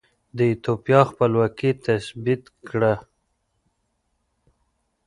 د ایتوپیا خپلواکي تثبیت کړه.